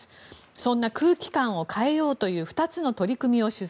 そんな空気感を変えようという２つの取り組みを取材。